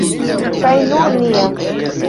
Kaj nur nia!